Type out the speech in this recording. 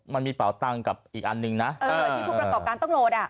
มันมีเปล่าตังค์กับอีกอันนึงนะ